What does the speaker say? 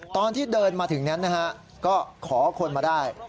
ตอนที่เดินมาถึงนั้นนะฮะก็ขอคนมาได้